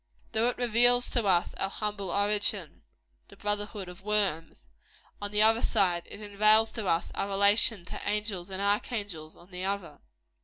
Though it reveals to us our humble origin the brotherhood of worms on the one side, it unveils to us our relation to angels and archangels, on the other.